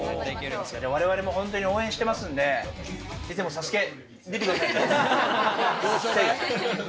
我々もも本当に応援してますんで、先生も『ＳＡＳＵＫＥ』出てくださいね。